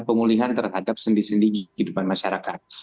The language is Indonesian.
pemulihan terhadap sendi sendi kehidupan masyarakat